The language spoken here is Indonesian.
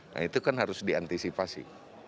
nah itu kan harus diantisipasi